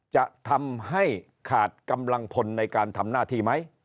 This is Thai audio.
จะทำให้ขาดกำลังพลในการทำหน้าที่ไหม